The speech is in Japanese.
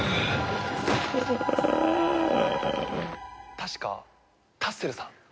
確かタッセルさん？